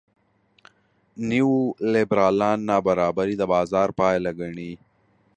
نیولېبرالان نابرابري د بازار پایله ګڼي.